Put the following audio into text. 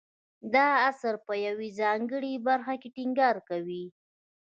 دا اثر په یوې ځانګړې برخې ټینګار کوي.